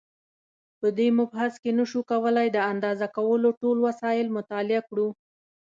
په دې مبحث کې نشو کولای د اندازه کولو ټول وسایل مطالعه کړو.